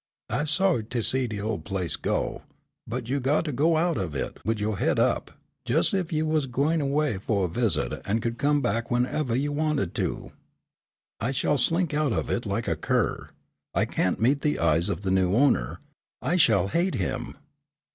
I's so'y to see dee ol' place go, but you got to go out of it wid yo' haid up, jes' ez ef you was gwine away fo' a visit an' could come back w'en evah you wanted to." "I shall slink out of it like a cur. I can't meet the eyes of the new owner; I shall hate him."